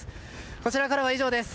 こちらからは以上です。